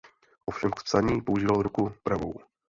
Ovšem k psaní používal ruku pravou.